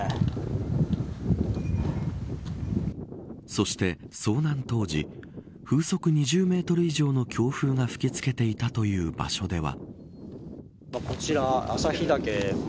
そして遭難当時風速２０メートル以上の強風が吹き付けていたという場所では。